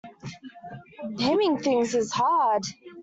Naming things is hard.